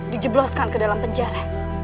dijebloskan ke dalam penjara